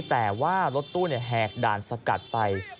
แต่ว่ารถตู้แหกด่านสกัดไป